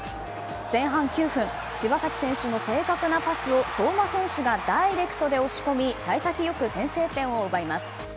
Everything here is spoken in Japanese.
前半９分柴崎選手の正確なパスを相馬選手がダイレクトで押し込み幸先よく先制点を奪います。